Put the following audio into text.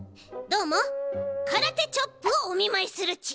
どーもからてチョップをおみまいするち！